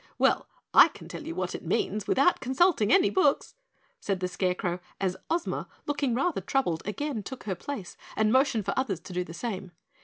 "Well, I can tell you what it means without consulting any books," said the Scarecrow as Ozma, looking rather troubled, again took her place and motioned for the others to do the same.